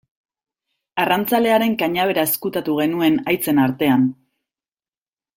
Arrantzalearen kanabera ezkutatu genuen haitzen artean.